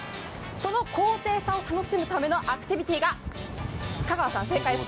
その高低差を楽しむためのアクティビティーが、香川さん正解です。